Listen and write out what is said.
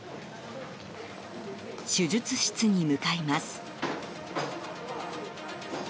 手術室に向かいます。